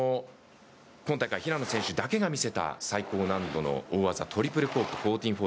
今大会平野選手だけが見せた最高難度の大技トリプルコーク１４４０